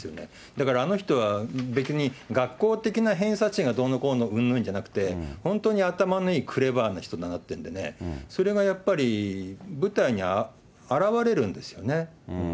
だからあの人は、別に学校的な偏差値がどうのこうのうんぬんじゃなくて、本当に頭のいいクレバーな人だなっていうんでね、それがやっぱり舞台に表れるんですよね。